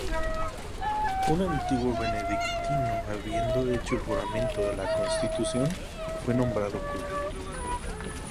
Un antiguo benedictino habiendo hecho el juramento de la Constitución fue nombrado cura.